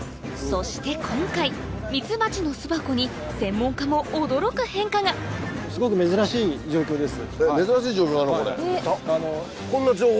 そして今回ミツバチの巣箱に専門家も驚く変化がすごく珍しい状況です。